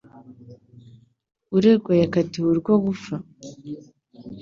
Uregwa yakatiwe urwo gupfa. ?